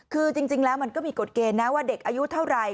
คือจริงแล้วมันก็มีกฎเกณฑ์นะว่าเด็กอายุเท่าไหร่